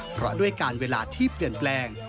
เพราะด้วยการเวลาที่เปลี่ยนแปลง